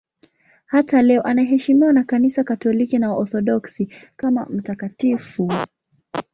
Hata leo anaheshimiwa na Kanisa Katoliki na Waorthodoksi kama mtakatifu.